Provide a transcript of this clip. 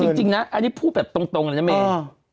เอาจริงนะอันนี้พูดแบบตรงนะเยอะเมฆ